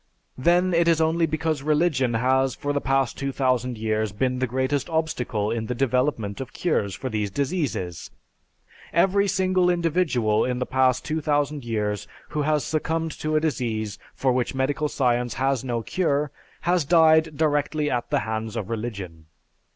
Then it is only because religion has for the past 2000 years been the greatest obstacle in the development of cures for these diseases. Every single individual, in the past 2000 years, who has succumbed to a disease for which medical science has no cure, has died directly at the hands of religion.